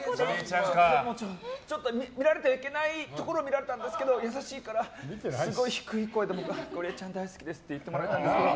ちょっと見られてはいけないところを見られたんですけど優しいから、すごい低い声でゴリエちゃん、大好きですって言ってもらえたんですけど。